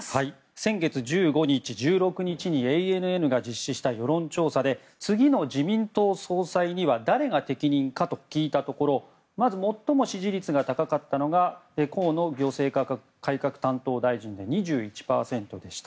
先月１５日、１６日にＡＮＮが実施した世論調査で次の自民党総裁には誰が適任か？と聞いたところまず、最も支持率が高かったのが河野行政改革担当大臣で２１％でした。